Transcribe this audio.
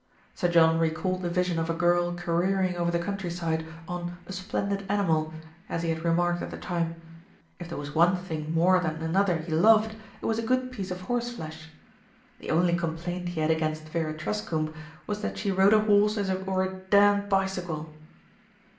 Sir John recalled the vision of a girl careering over the countryside on "a splendid animal," as he had re marked at the time. If there was one thing more than another he loved, it was a good piece of horse flesh. The only complaint he had against Vera Truscombe was that she rode a horse as if it were "a damned bicycle."